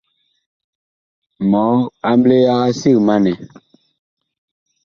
Mɔɔ amble yaga sig ma nɛ !